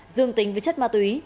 dương tính với chất ma túy